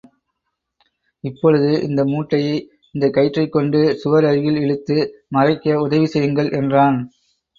இப்பொழுது இந்த மூட்டையை, இந்தக் கயிற்றைக் கொண்டு சுவர் அருகில் இழுத்து மறைக்க உதவி செய்யுங்கள் என்றான்.